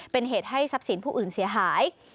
เป็นเหตุให้ทรัพย์สินผู้อื่นเสียหาย